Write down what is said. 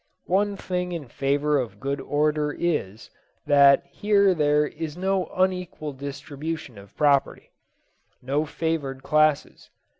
One thing in favour of good order is, that here there is no unequal distribution of property no favoured classes.